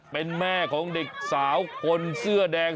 เป็นแม่ของเด็กสาวคนเสื้อแดง